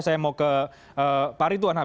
saya mau ke pak ridwan